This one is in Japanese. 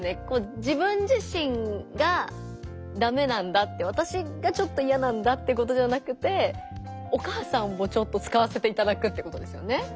自分自身がダメなんだってわたしがちょっといやなんだってことじゃなくてお母さんもちょっと使わせていただくってことですよね。